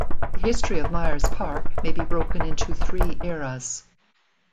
The history of Myers Park may be broken into three eras.